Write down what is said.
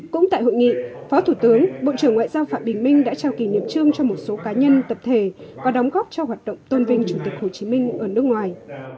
cũng tại hội nghị phó thủ tướng bộ trưởng ngoại giao phạm bình minh đã trao kỷ niệm trương cho một số cá nhân tập thể có đóng góp cho hoạt động tôn vinh chủ tịch hồ chí minh ở nước ngoài